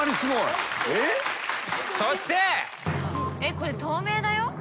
これ透明だよ？